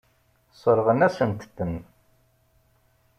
Sseṛɣen-asent-ten.